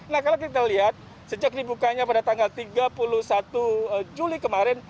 nah kalau kita lihat sejak dibukanya pada tanggal tiga puluh satu juli kemarin